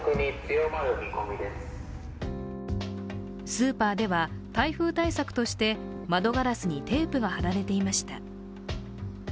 スーパーでは台風対策として窓ガラスにテープが貼られていました。